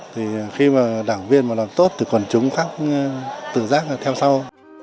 thì khi mà đảng viên làm tốt thì còn chúng khác tự giác theo sau